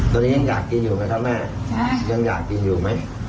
ตอนนี้ยังอยากกินอยู่ไหมครับแม่ยังอยากกินอยู่ไหม